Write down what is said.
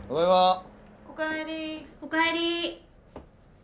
・おかえり。